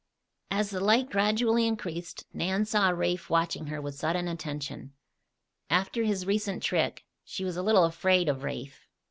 As the light gradually increased Nan saw Rafe watching her with sudden attention. After his recent trick she was a little afraid of Rafe.